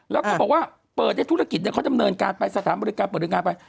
แล้วก็บอกว่าเปิดให้ธุรกิจเขาดำเนินการไปสถานบริการเปิดบริการไป